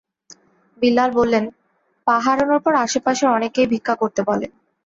বিল্লাল বলেন, পা হারানোর পর আশপাশের অনেকেই ভিক্ষা করতে বলেন।